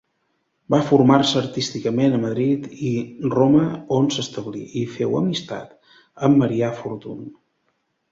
Va formar-se artísticament a Madrid i Roma on s'establí i féu amistat amb Marià Fortuny.